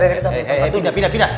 eh eh pindah pindah